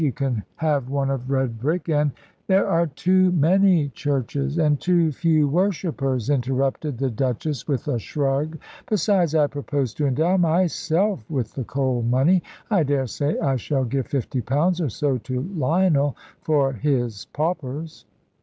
You can have one of red brick, and " "There are too many churches, and too few worshippers," interrupted the Duchess, with a shrug; "besides, I propose to endow myself with the coal money. I daresay I shall give fifty pounds or so to Lionel for his paupers."